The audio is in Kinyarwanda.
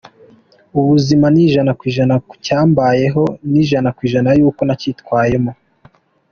Ubuzima ni % ku cyambayeho na % yuko nacyitwayemo.